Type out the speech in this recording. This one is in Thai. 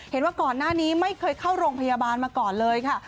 เห็นว่าก่อนหน้านี้ไม่เคยเข้าโรงพยาบาลมาก่อนเลยค่ะ